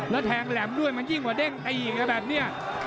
แล้วแทงแหลมด้วยมันยิ่งกว่าเด้งตีอีกนะแบบนี้